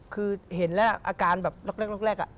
คือเห็นแล้วอาการแบบรอกอะ